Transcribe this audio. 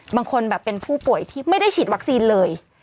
บางคนแบบเป็นผู้ป่วยที่ไม่ได้ฉีดวัคซีนเลย